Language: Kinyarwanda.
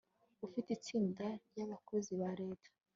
ufite itsinda ry'abakozi ba leta